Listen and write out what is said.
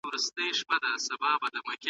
هغه مغول چي مسلمانان سول، ډېر ځواکمن وو.